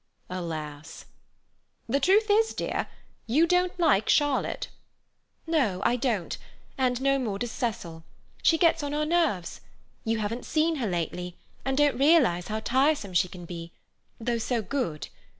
Alas! "The truth is, dear, you don't like Charlotte." "No, I don't. And no more does Cecil. She gets on our nerves. You haven't seen her lately, and don't realize how tiresome she can be, though so good.